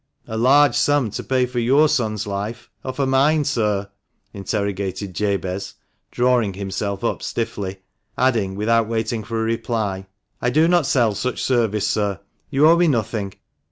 "A large sum to pay for your son's life, or for mine, sir?" interrogated Jabez, drawing himself up stiffly ; adding, without waiting for reply, " I do not sell such service, sir. You owe me nothing.